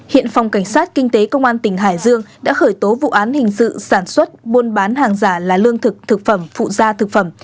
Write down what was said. hiện phòng cảnh sát kinh tế công an tỉnh hải dương đã khởi tố vụ án hình sự sản xuất buôn bán hàng giả là lương thực thực phẩm phụ gia thực phẩm